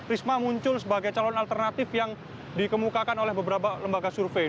risma muncul sebagai calon alternatif yang dikemukakan oleh beberapa lembaga survei